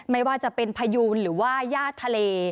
ไม่ว่าจะเป็นพยูนหรือว่าญาติทะเล